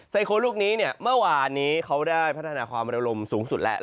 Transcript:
ไซโครลูกนี้เนี่ยเมื่อวานนี้เขาได้พัฒนาความระลมสูงสุดแล้ว